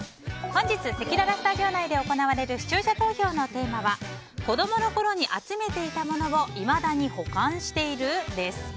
本日せきららスタジオ内で行われる視聴者投票のテーマは子供の頃に集めていたものをいまだに保管している？です。